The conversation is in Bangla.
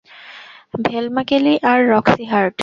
ভেলমা কেলি আর রক্সি হার্ট।